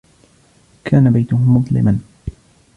كان بيته مظلماً.